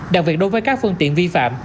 đặc biệt đối với các phương tiện vi phạm